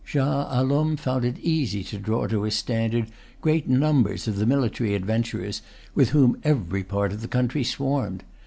Shah Alum found it easy to draw to his standard great numbers of the military adventurers with whom every part of the country swarmed.